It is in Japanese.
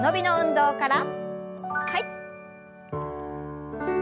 はい。